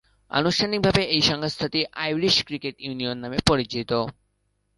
আনুষ্ঠানিকভাবে এ সংস্থাটি আইরিশ ক্রিকেট ইউনিয়ন নামে পরিচিত।